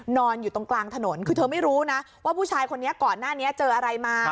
นอนอยู่ตรงกลางถนนคือเธอไม่รู้นะว่าผู้ชายคนนี้ก่อนหน้านี้เจออะไรมา